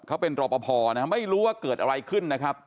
เขาเป็นรอปภนะไม่รู้ว่าเกิดอะไรขึ้นนะครับ